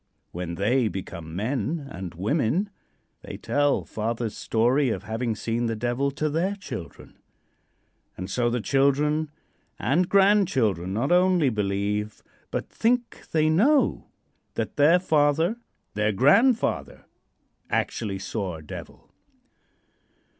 When they become men and women they tell father's story of having seen the Devil to their children, and so the children and grandchildren not only believe, but think they know, that their father their grandfather actually saw a devil.